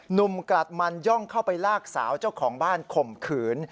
กลัดมันย่องเข้าไปลากสาวเจ้าของบ้านข่มขืน